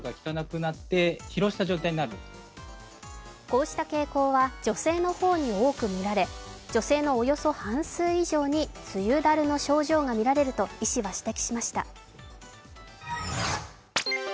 こうした傾向は女性の方に多く見られ女性のおよそ半数以上に梅雨だるの症状がみられると医師は指摘しました。